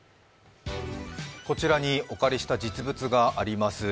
こちらにお借りした実物があります。